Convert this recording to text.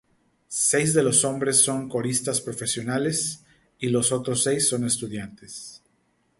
Seis de los hombres son coristas profesionales, y los otros seis son estudiantes.